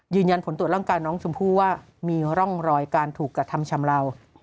ยืนยันผลตรวจร่างกายน้องชมพู่ว่ามีร่องรอยการถูกกระทำชำเลา